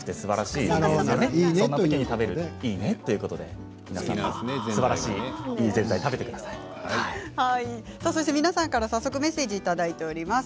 そんなときに食べるいいねということですばらしいぜんざい皆さんから早速メッセージをいただいています。